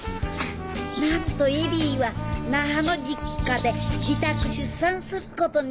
なんと恵里は那覇の実家で自宅出産することにしたのです